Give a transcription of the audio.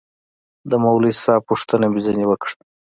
د مولوي صاحب پوښتنه مې ځنې وكړه.